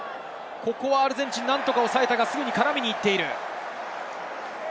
アルゼンチン、なんとかおさえたが、すぐに絡みに行っている。